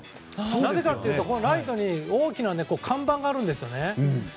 なぜかというと、ライトに大きな看板があるんですね。